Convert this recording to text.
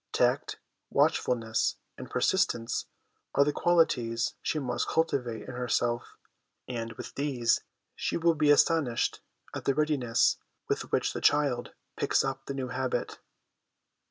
Tact, watchfulness, and persistence are the qualities she must cultivate in herself; and, with these, she will be astonished at the readiness with which the child picks up the new habit.